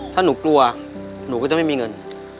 ถ้าหนูกลัวหนูก็จะไม่มีเงิน